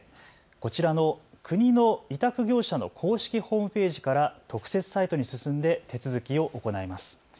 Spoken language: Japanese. こちらの国の委託業者の公式ホームページから特設サイトに進んで手続きを行います。